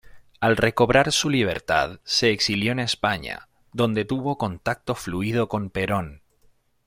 Al recobrar su libertad se exilió en España, donde tuvo contacto fluido con Perón.